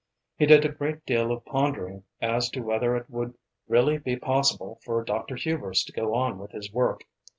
He did a great deal of pondering as to whether it would really be possible for Dr. Hubers to go on with his work.